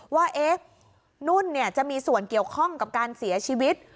ว่านุ่นจะมีส่วนเกี่ยวข้องกับการเสียชีวิต